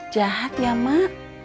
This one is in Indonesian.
jahat ya mak